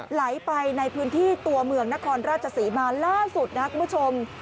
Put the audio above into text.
ไหลไปในพื้นที่ตัวเมืองนครราชศรีมาล่าสุดนะครับคุณผู้ชม